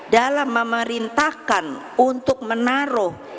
dalam memerintahkan untuk menaruh